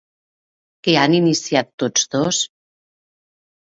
Què han iniciat tots dos?